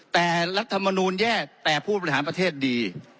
แต่รัฐมนูลแย่แต่ผู้บริหารประเทศดี